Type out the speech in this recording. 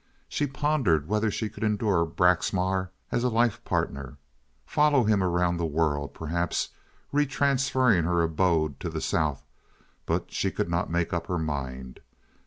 She pondered whether she could endure Braxmar as a life partner, follow him around the world, perhaps retransferring her abode to the South; but she could not make up her mind.